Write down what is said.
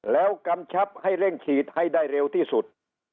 แล้วกำชับให้เร่งฉีดให้ได้เร็วที่สุด